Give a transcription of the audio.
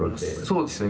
そうですね。